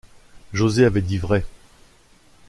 José avait dit vrai